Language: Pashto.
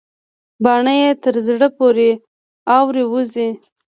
باڼه يې تر زړه پورې اورې وزي.